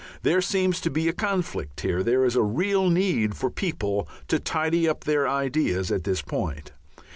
There seems to be a conflict here. There is a real need for many people to tidy up their ideas at this point.